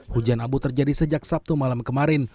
hujan abu terjadi sejak sabtu malam kemarin